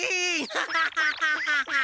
ハハハハハハ！